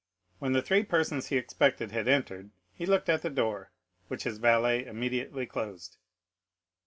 When the three persons he expected had entered, he looked at the door, which his valet immediately closed.